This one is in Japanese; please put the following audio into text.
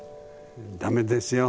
駄目ですよ。